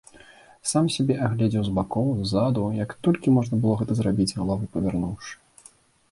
Сам сябе агледзеў з бакоў, ззаду, як толькі можна было гэта зрабіць, галаву павярнуўшы.